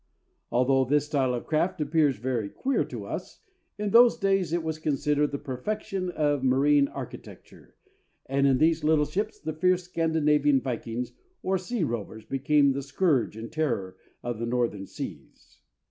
Although this style of craft appears very queer to us, in those days it was considered the perfection of marine architecture, and in these little ships the fierce Scandinavian Vikings, or sea rovers, became the scourge and terror of the Northern seas.